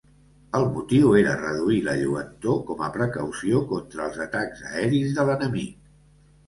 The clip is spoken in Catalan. El motiu era reduir la lluentor, com a precaució contra els atacs aeris de l'enemic.